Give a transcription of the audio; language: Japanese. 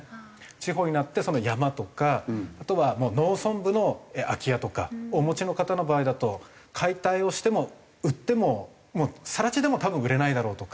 地方になって山とかあとは農村部の空き家とかお持ちの方の場合だと解体をしても売っても更地でも多分売れないだろうとか。